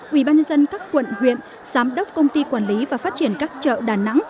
ubnd các quận huyện giám đốc công ty quản lý và phát triển các chợ đà nẵng